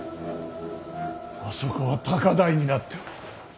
あそこは高台になっておる。